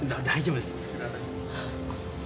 大丈夫です。